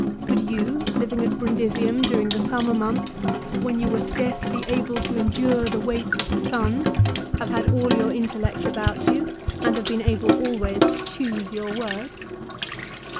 Could you, living at Brundisium during the summer months c when ycu were scarcely able to endure the weight of the sun' l have had all your intellects about you and have been able always to choose your words